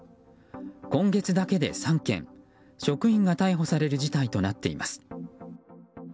今月だけで３件職員が逮捕される事態となっています。